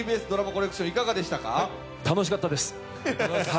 楽しかったです！